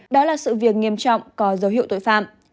đó là sự việc nghiêm trọng có dấu hiệu tội phạm